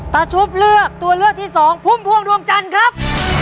ชุบเลือกตัวเลือกที่สองพุ่มพวงดวงจันทร์ครับ